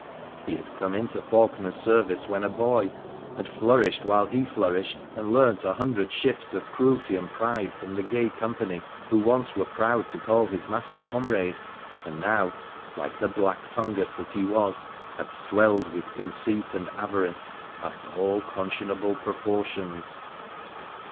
He had come into Faulkener's service when a boy, had flourished while he flourished, and learnt a hundred shifts of cruelty and pride from the gay company who once were proud to call his master comrade, and now, like the black fungus that he was, had swelled with conceit and avarice past all conscionable proportions.